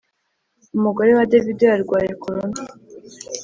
Umugore wa davido yarwaye corona